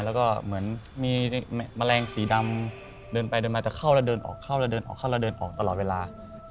แล้วก็เหมือนมีแมลงสีดำเดินไปเดินมาจะเข้าแล้วเดินออกเข้าแล้วเดินออกเข้าแล้วเดินออกตลอดเวลา